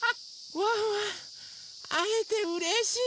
ワンワンあえてうれしい！